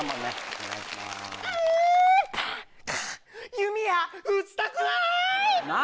弓矢撃ちたくない⁉何？